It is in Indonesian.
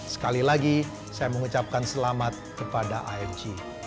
sekali lagi saya mengucapkan selamat kepada afg